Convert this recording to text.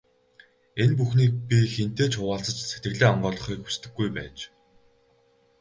Энэ бүхнийг би хэнтэй ч хуваалцаж, сэтгэлээ онгойлгохыг хүсдэггүй байж.